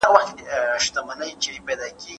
دا ممکنه ده چي د ټولنیزو تحقیقاتو له لاري بدلون وسي.